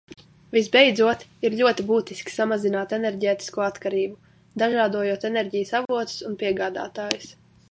Visbeidzot, ir ļoti būtiski samazināt enerģētisko atkarību, dažādojot enerģijas avotus un piegādātājus.